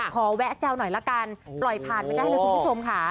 แวะแซวหน่อยละกันปล่อยผ่านไม่ได้เลยคุณผู้ชมค่ะ